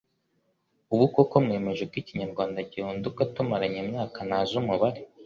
UBU KOKO MWEMEJE KO IKINYARWANDA gihinduka TUMARANYE IMYAKA NTAZI UMUBARE